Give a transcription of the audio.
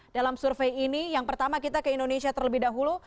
dalam survei ini yang pertama kita ke indonesia terlebih dahulu